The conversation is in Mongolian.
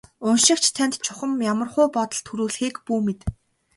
Уншигч танд чухам ямархуу бодол төрүүлэхийг бүү мэд.